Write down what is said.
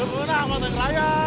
kenapa neng raya